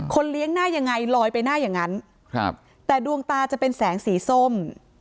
เลี้ยงหน้ายังไงลอยไปหน้าอย่างนั้นครับแต่ดวงตาจะเป็นแสงสีส้ม